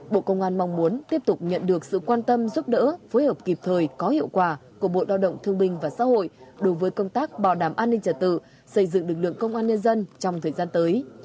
bộ công an mong muốn tiếp tục nhận được sự quan tâm giúp đỡ phối hợp kịp thời có hiệu quả của bộ lao động thương binh và xã hội đối với công tác bảo đảm an ninh trả tự xây dựng lực lượng công an nhân dân trong thời gian tới